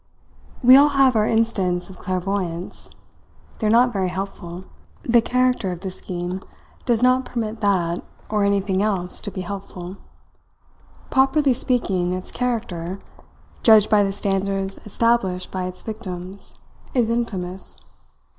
... We all have our instants of clairvoyance. They are not very helpful. The character of the scheme does not permit that or anything else to be helpful. Properly speaking its character, judged by the standards established by its victims, is infamous.